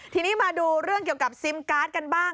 ทีนี้มาดูเรื่องเกี่ยวกับซิมการ์ดกันบ้าง